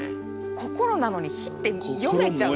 心なのに火って読めちゃう。